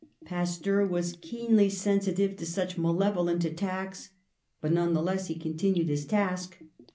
Pas teur was keenly sensitive to such malevolent attacks, but none the less he continued his task.